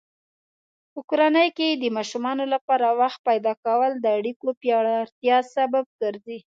په کورنۍ کې د ماشومانو لپاره وخت پیدا کول د اړیکو پیاوړتیا سبب ګرځي.